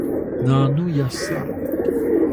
nanu yasa